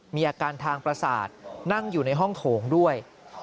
มีอาการทางประสาทนั่งอยู่ในห้องโถงด้วย